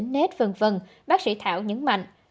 nết v v bác sĩ thảo nhấn mạnh